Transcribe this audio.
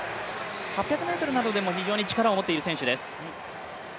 ８００ｍでも非常に力を持っている選手です。